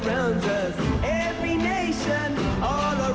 ท่านแรกครับจันทรุ่ม